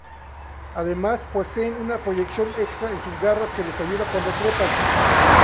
Además, poseen una proyección extra en sus garras que les ayuda cuando trepan.